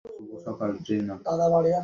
মানে, হ্যাঁ।